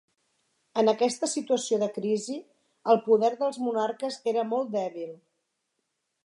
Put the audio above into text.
En aquesta situació de crisi, el poder dels monarques era molt dèbil.